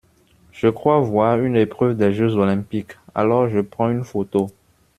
Je crois voir une épreuve des jeux olympiques, alors je prends une photo.